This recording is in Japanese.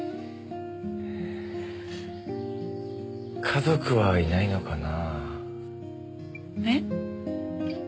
家族はいないのかなぁ？え？